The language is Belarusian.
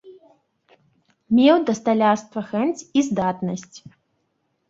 Меў да сталярства хэнць і здатнасць.